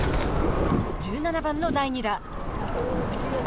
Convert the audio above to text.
１７番の第２打。